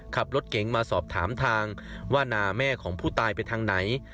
ขับรถเก๋งมาสอบถามทางว่านาแม่ของผู้ตายไปทางไหน